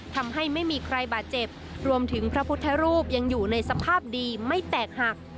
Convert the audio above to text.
ทำให้ไม่มีใครบาดเจ็บรวมถึงพระพุทธรูปยังอยู่ในสภาพดีไม่แตกหัก